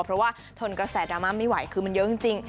เพราะว่าทนกระแสดราม่าไม่ไหวคือมันเยอะจริง